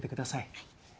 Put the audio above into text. はい。